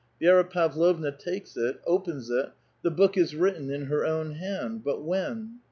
Vi^ra Pavlovna ^alces it, opens it; the book is written in her own hand — ^'^t ^hen?